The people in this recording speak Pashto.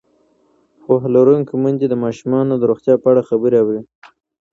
پوهه لرونکې میندې د ماشومانو د روغتیا په اړه خبرې اوري.